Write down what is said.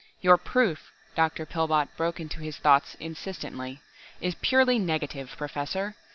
"Your proof," Dr. Pillbot broke into his thoughts insistently, "is purely negative, Professor!